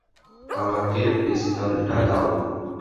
আমাকে পিস্তলটা দাও!